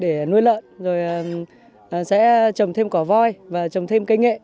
để nuôi lợn rồi sẽ trồng thêm cỏ voi và trồng thêm cây nghệ